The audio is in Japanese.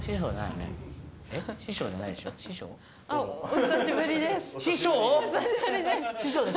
お久しぶりです